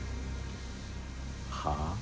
はあ？